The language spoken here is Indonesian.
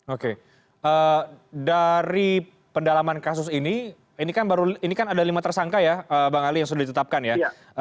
oke dari pendalaman kasus ini ini kan baru ini kan ada lima tersangka ya bang ali yang sudah ditetapkan ya